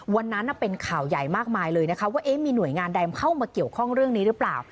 วันนั้นเป็นข่าวใหญ่มากมายเลยนะคะว่ามีหน่วยงานใดเข้ามาเกี่ยวข้องเรื่องนี้หรือเปล่า